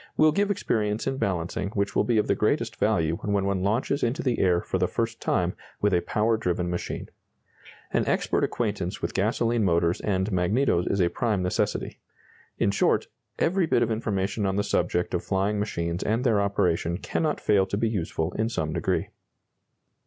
will give experience in balancing which will be of the greatest value when one launches into the air for the first time with a power driven machine. An expert acquaintance with gasoline motors and magnetos is a prime necessity. In short, every bit of information on the subject of flying machines and their operation cannot fail to be useful in some degree.